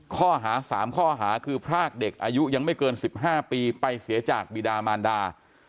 ข้อหา๓ข้อหาคือพรากเด็กอายุยังไม่เกิน๑๕ปีไปเสียจากบิดามานดา